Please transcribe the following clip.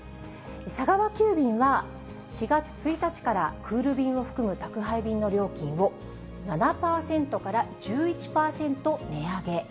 佐川急便は、４月１日から、クール便を含む宅配便の料金を７％から１１％値上げ。